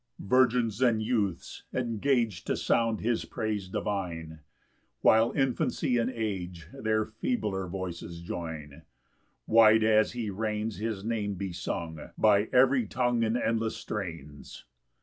9 Virgins, and youths, engage To sound his praise divine, While infancy and age Their feebler voices join: Wide as he reigns His Name be sung By every tongue In endless strains.